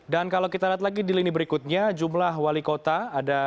dan kalau kita lihat lagi di lini berikutnya jumlah wali kota